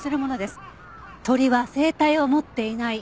鳥は声帯を持っていない。